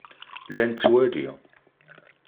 La nettwali.